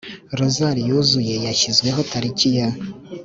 rozari yuzuye yashyizweho tariki ya